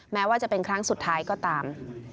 แม้ว่าจะเป็นครั้งสุดท้ายก็ตาม